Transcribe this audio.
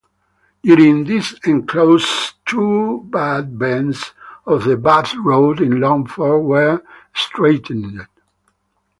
During this Enclosure two bad bends of the Bath Road in Longford were straightened.